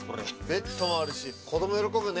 ベッドもあるし子供喜ぶね。